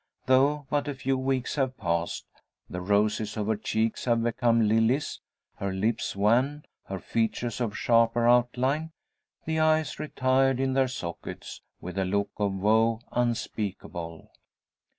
Though but a few weeks have passed, the roses of her cheeks have become lilies, her lips wan, her features of sharper outline, the eyes retired in their sockets, with a look of woe unspeakable.